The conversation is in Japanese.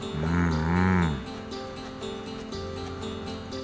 あぁ